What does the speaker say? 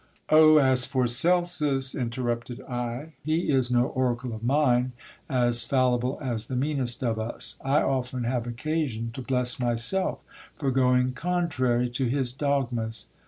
Oh ! as for Celsus, interrupted I, he is no oracle of mine, as fallible as the meanest of us ; I often have occasion to bless myself for going contrary to his dogmas.